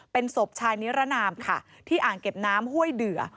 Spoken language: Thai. เป็นศพชายนิรนามค่ะที่อ่างเก็บน้ำห้วยเดือ